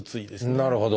なるほど。